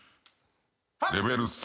レベル３。